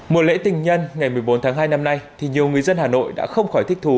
mùa lễ tình nhân ngày một mươi bốn tháng hai năm nay thì nhiều người dân hà nội đã không khỏi thích thú